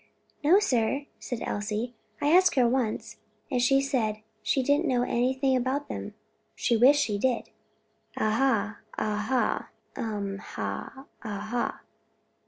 "No, sir," said Elsie, "I asked her once, and she said she didn't know anything about them; she wished she did." "Ah ha! ah ha, um h'm! ah ha!